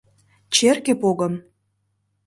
Черке погым?!